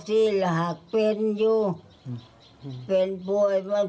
พ่อไปฟังหน่อยครับ